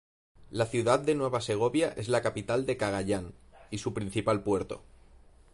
La ciudad de Nueva Segovia es la capital de Cagayán, y su principal puerto.